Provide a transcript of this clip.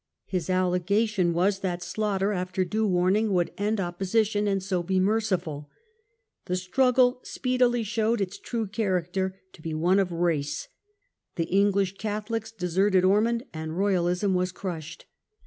His allegation was that slaughter, after due warning, would end opposition, and so be merciful. The struggle speedily showed its true character to be one of race: the English Catholics deserted Ormond and Royalism was crushed.